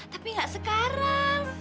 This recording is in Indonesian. tapi enggak sekarang